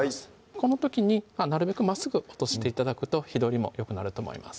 この時になるべくまっすぐ落として頂くと火通りもよくなると思います